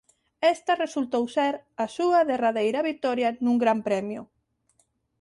Esta resultou ser a súa derradeira vitoria nun Gran Premio.